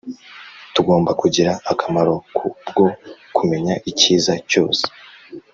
Tugomba kugira akamaro ku bwo kumenya icyiza cyose